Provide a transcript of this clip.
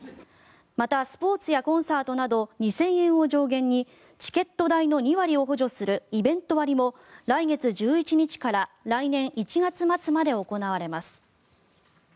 また、スポーツやコンサートなど２０００円を上限にチケット代の２割を補助するイベント割も来月１１日から来年１月末まで行われます。